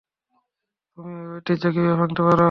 তুমি এই ঐতিহ্য কীভাবে ভাঙতে পারো?